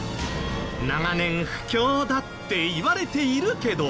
長年不況だって言われているけど。